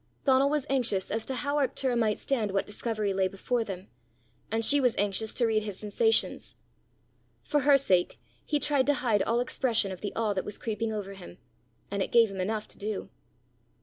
Donal was anxious as to how Arctura might stand what discovery lay before them, and she was anxious to read his sensations. For her sake he tried to hide all expression of the awe that was creeping over him, and it gave him enough to do.